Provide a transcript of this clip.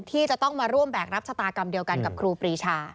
ที่จะต้องมาร่วมแบกรับชะตากรรมเดียวกันกับครูปรีชา